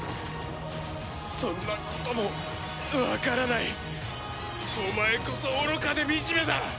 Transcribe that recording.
そんなこともわからないお前こそ愚かで惨めだ！